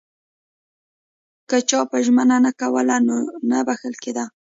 که چا به ژمنه نه کوله نو نه بخښل کېده.